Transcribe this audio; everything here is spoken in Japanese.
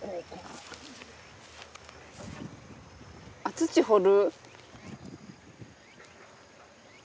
土掘る。